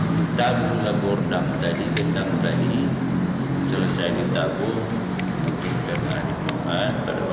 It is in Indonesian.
kita berusaha berdampak tadi berdampak tadi selesai ditabur